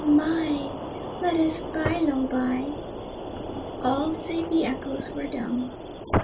my! let us by lo by" All save the echoes were dumb.